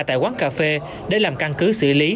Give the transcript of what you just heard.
tại quán cà phê để làm căn cứ xử lý